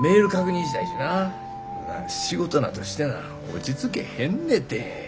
仕事なとしてな落ち着けへんねて。